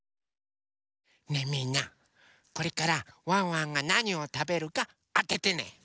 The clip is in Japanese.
ねえみんなこれからワンワンがなにをたべるかあててね！